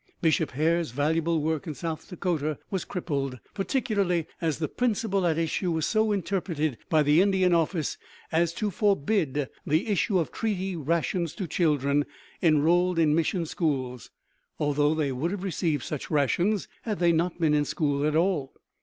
Bishop Hare's valuable work in South Dakota was crippled, particularly as the principle at issue was so interpreted by the Indian office as to forbid the issue of treaty rations to children enrolled in mission schools, although they would have received such rations had they not been in school at all.